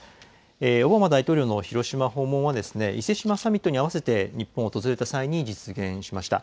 オバマ大統領の広島訪問は、伊勢志摩サミットに合わせて日本を訪れた際に実現しました。